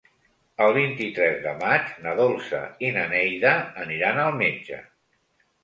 El vint-i-tres de maig na Dolça i na Neida aniran al metge.